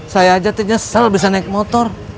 saya aja nyesel bisa naik motor